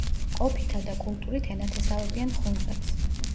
ყოფითა და კულტურით ენათესავებიან ხუნძებს.